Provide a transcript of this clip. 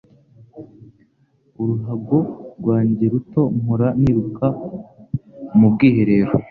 Uruhago rwanjye ruto mpora niruka mu bwiherero